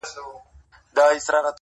د بدرنگ رهبر نظر کي را ايسار دی,